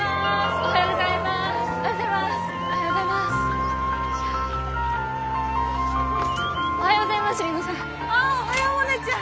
おはようございます里乃さん。